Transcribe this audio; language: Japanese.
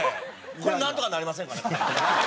これなんとかなりませんかね？